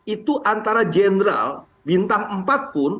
itu antara jenderal bintang empat pun